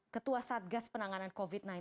ketua satgas penanganan covid sembilan belas